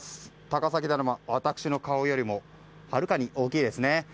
高崎だるま、私の顔よりもはるかに大きいですね。